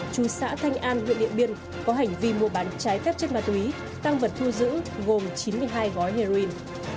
chú xã thanh an huyện điện biên có hành vi mua bán trái phép chất ma túy tăng vật thu giữ gồm chín mươi hai gói heroin